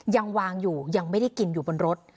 ยังวางอยู่ยังไม่ได้กินอยู่บนรถ